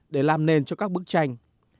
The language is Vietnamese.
để làm nền cho các bức tranh